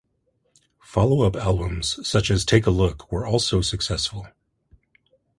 Follow-up albums such as "Take a Look" were also successful.